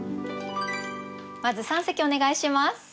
まず三席お願いします。